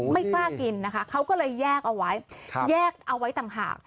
ไม่กล้ากินนะคะเขาก็เลยแยกเอาไว้แยกเอาไว้ต่างหาก